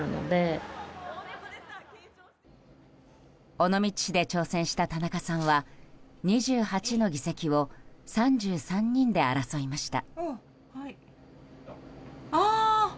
尾道市で挑戦した田中さんは２８の議席を３３人で争いました。